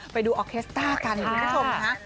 ไปดูออเคสต้ากันเห็นคุณผู้ชมค่ะ